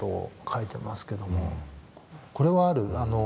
これはある？